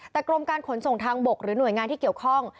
แต่กรมการขนส่งทางบกหรือหน่วยงานที่เกี่ยวข้อง